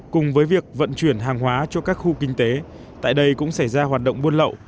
cùng với việc vận chuyển hàng hóa cho các khu kinh tế tại đây cũng xảy ra hoạt động buôn lậu